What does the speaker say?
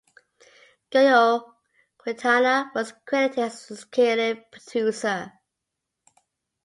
Goyo Quintana was credited as executive producer.